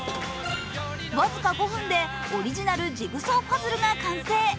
僅か５分でオリジナルジグソーパズルが完成。